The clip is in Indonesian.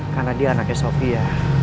karena dia anaknya sofia